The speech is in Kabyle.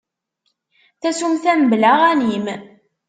Tasumta mebla aɣanim.